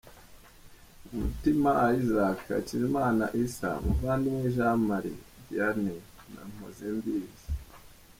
Mitima Isaac, Hakizimana Issa, Muvandimwe Jean Marie Vianney na Mpozembizi